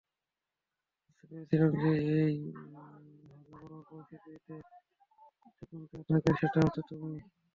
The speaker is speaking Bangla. বুঝতে পেরেছিলাম যে এই হযবরল পরিস্থিতিতে যদি বিচক্ষণ কেউ থাকে সেটা হচ্ছো তুমি।